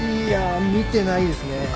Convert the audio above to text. いや見てないですね。